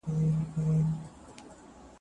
ترې انار مې په کتار اوښانو بار کړل